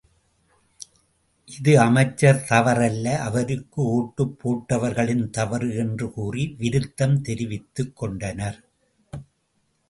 இது அமைச்சர் தவறல்ல — அவருக்கு ஒட்டுப் போட்டவர்களின் தவறு. —என்று கூறி விருத்தம் தெரிவித்துக் கொண்டனர்.